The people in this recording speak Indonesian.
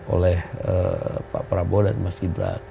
oleh pak prabowo dan mas gibran